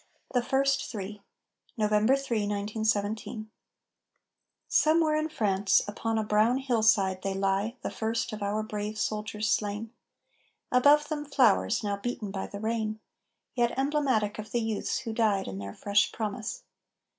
THE FIRST THREE [November 3, 1917] "Somewhere in France," upon a brown hillside, They lie, the first of our brave soldiers slain; Above them flowers, now beaten by the rain, Yet emblematic of the youths who died In their fresh promise.